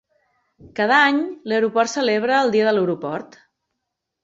Cada any, l'aeroport celebra el Dia de l'aeroport.